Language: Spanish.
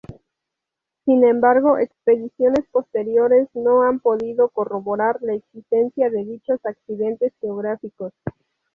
Sin embargo, expediciones posteriores no han podido corroborar la existencia de dichos accidentes geográficos.